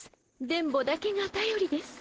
電ボだけがたよりです。